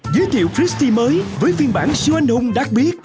giới thiệu frisbee mới với phiên bản siêu anh hùng đặc biệt